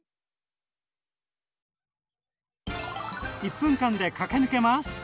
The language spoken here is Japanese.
１分間で駆け抜けます！